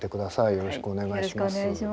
よろしくお願いします。